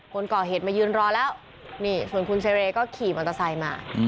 คนก่อเหตุมายืนรอแล้วนี่ส่วนคุณเซเรย์ก็ขี่มอเตอร์ไซค์มา